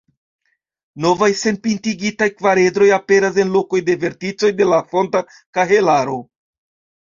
Novaj senpintigitaj kvaredroj aperas en lokoj de verticoj de la fonta kahelaro.